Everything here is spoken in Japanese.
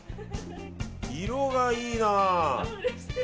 色がいいな。